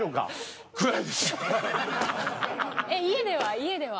家では？